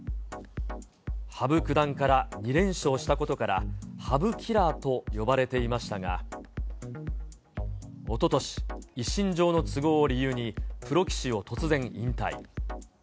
羽生九段から２連勝したことから、羽生キラーと呼ばれていましたが、おととし、一身上の都合を理由に、プロ棋士を突然引退。